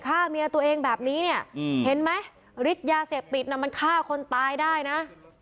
ฆ่าเมียตัวเองแบบนี้เนี่ยเห็นไหมฤทธิ์ยาเสพติดน่ะมันฆ่าคนตายได้นะ